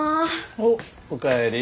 おっおかえり。